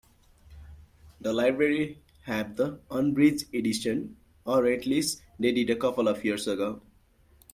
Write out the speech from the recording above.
The library have the unabridged edition, or at least they did a couple of years ago.